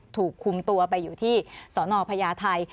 ถูกคุมตัวไปอยู่ที่สนพญาไทย